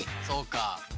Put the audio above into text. そうか。